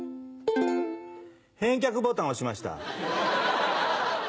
返却ボタン押しました。